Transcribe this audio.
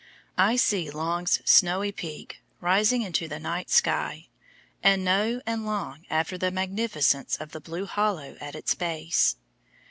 I see Long's snowy peak rising into the night sky, and know and long after the magnificence of the blue hollow at its base.